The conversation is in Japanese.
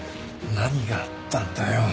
何があったんだよ。